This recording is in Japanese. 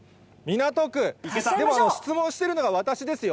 でも質問してるのは私ですよ。